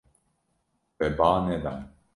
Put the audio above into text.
We ba neda.